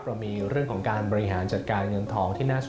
เรามีเรื่องของการบริหารจัดการเงินทองที่น่าสุด